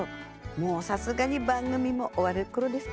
もうさすがに番組も終わるころですか？